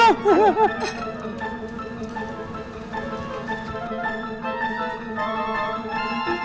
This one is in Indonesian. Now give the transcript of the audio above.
yuk ke sana